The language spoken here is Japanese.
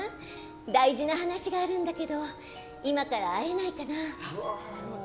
大事な話があるんだけど今から会えないかな？